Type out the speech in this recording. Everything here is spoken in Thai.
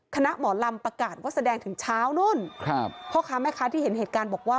คณะหมอลำประกาศว่าแสดงถึงเช้านู่นครับพ่อค้าแม่ค้าที่เห็นเหตุการณ์บอกว่า